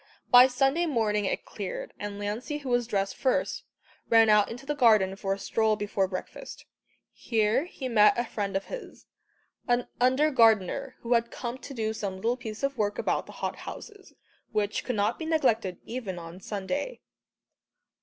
By Sunday morning it cleared, and Lancey who was dressed first, ran out into the garden for a stroll before breakfast. Here he met a friend of his an under gardener, who had come to do some little piece of work about the hot houses, which could not be neglected even on Sunday.